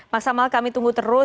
mas amal kami tunggu terus